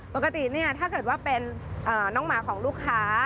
ปกติเนี่ยถ้าเกิดว่าเป็นน้องหมาของลูกค้า